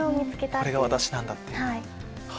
これが私なんだっていう。